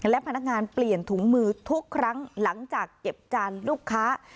และพนักงานเปลี่ยนถุงมือทุกครั้งหลังจากเก็บจานลูกค้า